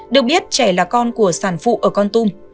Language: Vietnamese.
được biết trẻ là con của sản phụ ở con tum